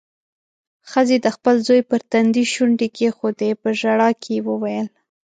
ښځې د خپل زوی پر تندي شونډې کېښودې. په ژړا کې يې وويل: